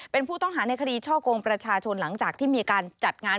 เป็นผู้ต้องหาในคดีช่อกงประชาชนหลังจากที่มีการจัดงาน